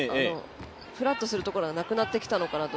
ふらっとするところがなくなってきたのかなと。